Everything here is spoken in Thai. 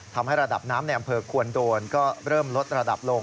ทำให้ระดับน้ำในอำเภอควนโดนก็เริ่มลดระดับลง